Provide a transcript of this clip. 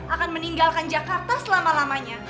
akan meninggalkan jakarta selama lamanya